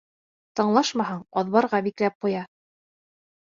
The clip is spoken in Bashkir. Тыңлашмаһаң, аҙбарға бикләп ҡуя.